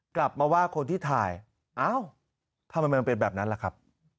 กลับมาว่าคนที่ถ่ายเอ้าทำไมมันเป็นแบบนั้นล่ะครับ